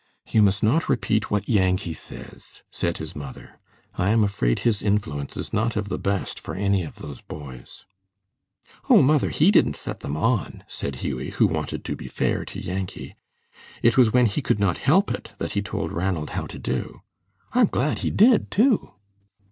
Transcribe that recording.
"You must not repeat what Yankee says," said his mother. "I am afraid his influence is not of the best for any of those boys." "Oh, mother, he didn't set them on," said Hughie, who wanted to be fair to Yankee. "It was when he could not help it that he told Ranald how to do. I am glad he did, too."